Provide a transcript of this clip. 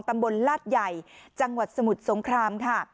ตำบลลาดใหญ่จังหวัดสมุทรสงครามค่ะ